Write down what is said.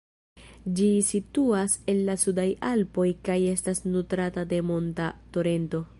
Ĝi situas en la Sudaj Alpoj kaj estas nutrata de monta torento.